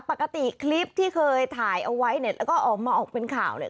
ปกติคลิปที่เคยถ่ายเอาไว้เนี่ยแล้วก็ออกมาออกเป็นข่าวเนี่ย